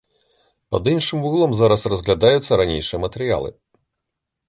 Пад іншым вуглом зараз разглядаюцца ранейшыя матэрыялы.